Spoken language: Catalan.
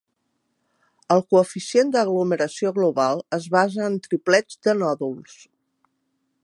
El coeficient d'aglomeració global es basa en triplets de nòduls.